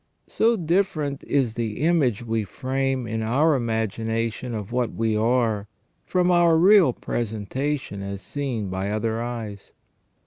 So different is the image we frame in our imagination of what we are, from our real presentation as seen by other eyes.